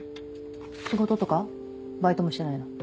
仕事とかバイトもしてないの？